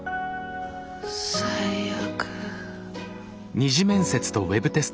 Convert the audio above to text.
最悪。